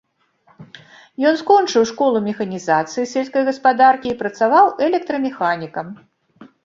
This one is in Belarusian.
Ён скончыў школу механізацыі сельскай гаспадаркі і працаваў электрамеханікам.